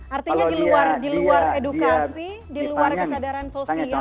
artinya diluar edukasi diluar kesadaran sosial